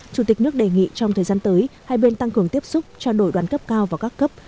chủ tịch nước đề nghị trong thời gian tới hai bên tăng cường tiếp xúc trao đổi đoàn cấp cao và các cấp